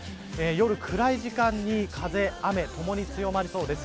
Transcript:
夜の暗い時間に風や雨がともに強まりそうです。